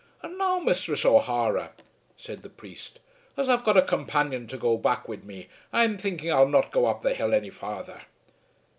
"And now, Misthress O'Hara," said the priest, "as I've got a companion to go back wid me, I'm thinking I'll not go up the hill any further."